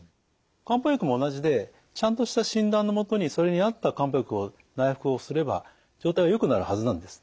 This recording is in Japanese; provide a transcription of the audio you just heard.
漢方薬も同じでちゃんとした診断の下にそれに合った漢方薬を内服をすれば状態はよくなるはずなんです。